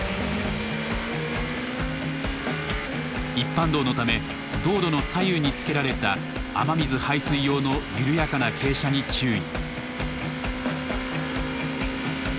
一般道のため道路の左右に付けられた雨水排水用の緩やかな傾斜に注意。